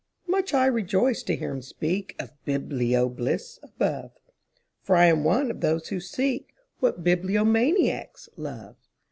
Much I rejoiced to hear him speakOf biblio bliss above, For I am one of those who seekWhat bibliomaniacs love.